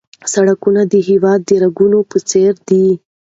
سړکونه د هېواد د رګونو په څېر دي.